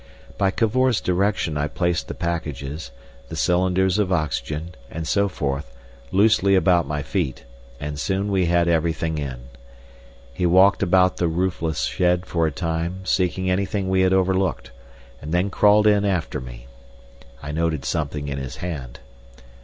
By Cavor's direction I placed the packages, the cylinders of oxygen, and so forth, loosely about my feet, and soon we had everything in. He walked about the roofless shed for a time seeking anything we had overlooked, and then crawled in after me. I noted something in his hand.